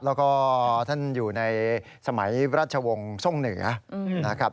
แล้วก็ท่านอยู่ในสมัยราชวงศ์ทรงเหนือนะครับ